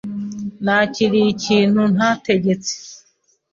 Nakiriye ikintu ntategetse.